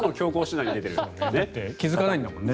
だって気付かないんだもんね